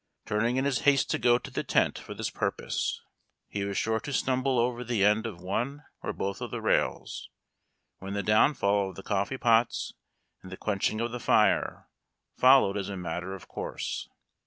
Turning in his haste to go to the 94 HARD TACK AND COFFEE. tent for this purpose he was sure to stumble over the end of one or both of the rails, when the downfall of the coffee pots and the quenching of the fire followed as a matter of course.